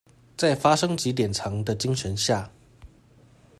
在「發生即典藏」的精神下